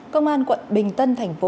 công an quận bình tân tp hcm